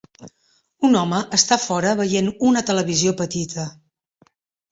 Un home està fora veient una televisió petita.